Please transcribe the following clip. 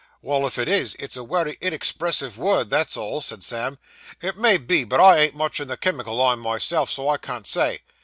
'Well, if it is, it's a wery inexpressive word, that's all,' said Sam. 'It may be, but I ain't much in the chimical line myself, so I can't say.